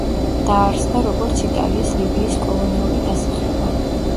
დაარსდა როგორც იტალიის ლიბიის კოლონიური დასახლება.